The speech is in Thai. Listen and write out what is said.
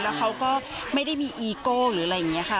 แล้วเขาก็ไม่ได้มีอีโก้หรืออะไรอย่างนี้ค่ะ